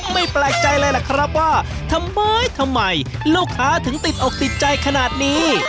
แปลกใจเลยล่ะครับว่าทำไมทำไมลูกค้าถึงติดอกติดใจขนาดนี้